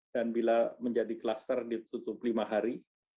dan bila menjadi kluster ditutup lima hari